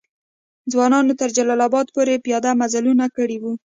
ځوانانو تر جلال آباد پوري پیاده مزلونه کړي وو.